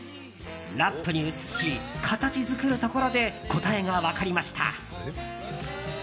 ラップに移し、形作るところで答えが分かりました。